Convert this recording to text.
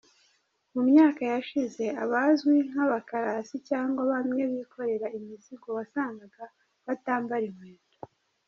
Mu myaka yashize abazwi nk’abakarasi cyangwa bamwe bikorera imizigo wasanganga batambara inkweto.